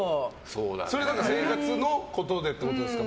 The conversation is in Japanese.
それは生活のことでってことですか。